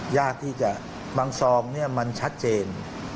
ยากที่จะบางซองเนี่ยมันชัดเจน